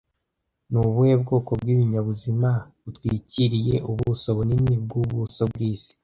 Ni ubuhe bwoko bw’ibinyabuzima butwikiriye ubuso bunini bwubuso bwisi